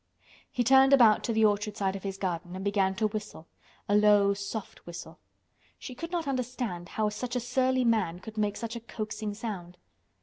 He turned about to the orchard side of his garden and began to whistle—a low soft whistle. She could not understand how such a surly man could make such a coaxing sound.